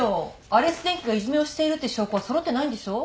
アレス電機がいじめをしているって証拠は揃ってないんでしょ？